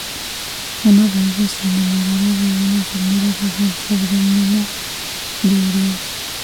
Uno de ellos se enamorará de una enfermera bajo el pseudónimo de Urías.